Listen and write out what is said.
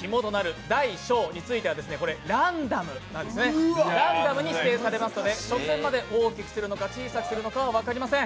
肝となる大小についてはランダムに指定されますので直前まで大きくするのか小さくするのか分かりません。